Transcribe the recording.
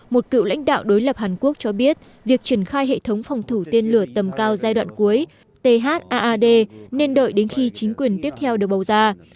một cựu lãnh đạo đối lập hàn quốc cho biết việc triển khai hệ thống phòng thủ tên lửa tầm cao giai đoạn cuối thad nên đợi đến khi chính quyền tiếp theo được bầu ra